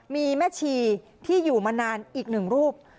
มีแม่ชีที่อยู่มานานอีกหนึ่งรูป